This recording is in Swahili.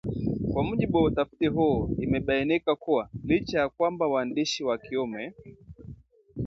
Kwa mujibu wa utafiti huu imebainika kuwa, licha ya kwamba waandishi wa kiume